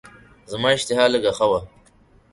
زما اشتها لږه ښه وه.